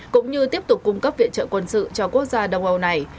cũng như tiếp tục cung cấp viện trợ quân sự cho quốc gia đông âu này